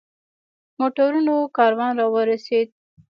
موټرونو کاروان را ورسېد.